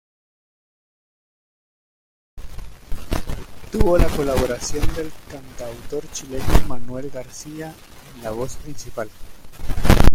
Tuvo la colaboración del cantautor chileno Manuel García en la voz principal.